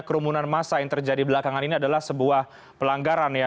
kerumunan massa yang terjadi belakangan ini adalah sebuah pelanggaran ya